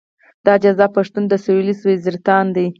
دا جذاب پښتين د سويلي وزيرستان دی.